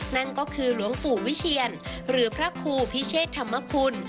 นั่นก็คือหลวงปู่วิเชียนหรือพระครูพิเชษธรรมคุณ